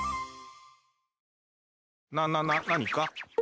ななな何か？